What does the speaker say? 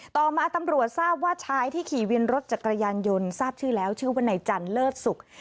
ต่อมาตำรวจทราบว่าชายที่ขี่วินรถจักรยานยนต์ทราบชื่อแล้วชื่อว่านายจันเลิศสุข